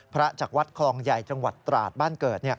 จากวัดคลองใหญ่จังหวัดตราดบ้านเกิด